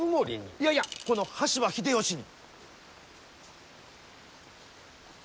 いやいやこの羽柴秀吉に！